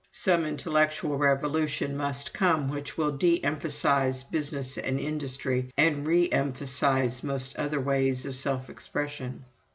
Some intellectual revolution must come which will de emphasize business and industry and re emphasize most other ways of self expression.